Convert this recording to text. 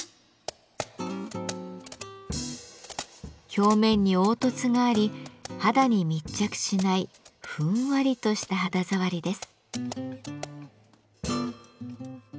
表面に凹凸があり肌に密着しないふんわりとした肌触りです。